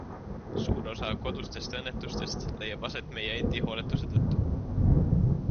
Suur osa kodustest õnnetustest leiab aset meie endi hooletuse tõttu.